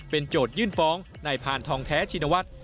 โจทยื่นฟ้องนายพานทองแท้ชินวัฒน์